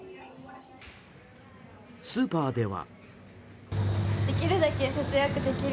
スーパーでは。